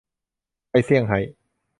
ไปเซี่ยงไฮ้